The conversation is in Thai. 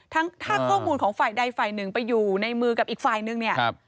ถ้าข้อมูลของฝ่ายใดฝ่ายหนึ่งไปอยู่ในมือกับอีกฝ่ายนึงเนี่ย